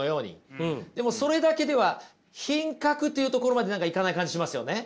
でもそれだけでは品格っていうところまで何かいかない感じしますよね。